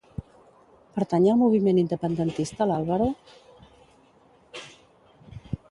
Pertany al moviment independentista l'Álvaro?